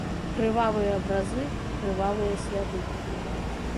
Крывавыя абразы, крывавыя сляды.